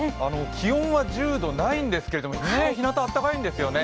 気温は１０度ないんですけど、意外にひなた、暖かいんですよね。